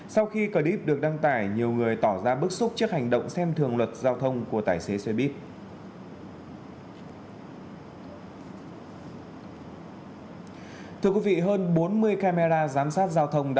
sau khi clip được đăng tải nhiều người tỏ ra bức xúc trước hành động xem thường luật giao thông của tài xế xe buýt